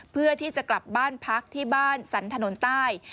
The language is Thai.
เพื่อที่จะกลับบ้านพักที่บ้านสันถนนใต้